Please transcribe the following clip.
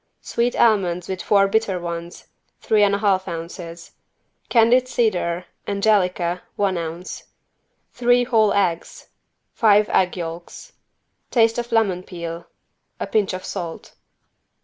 Sweet almonds with four bitter ones, three and a half ounces. Candied cedar (angelica), one ounce. Three whole eggs. Five egg yolks. Taste of lemon peel. A pinch of salt.